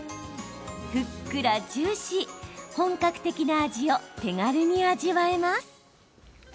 ふっくらジューシー本格的な味を手軽に味わえます。